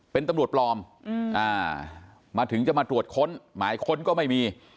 เป็นตำรวจปลอมมาถึงจะมาตรวจค้นหมายค้นก็ไม่มี